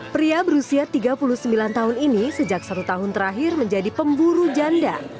pria berusia tiga puluh sembilan tahun ini sejak satu tahun terakhir menjadi pemburu janda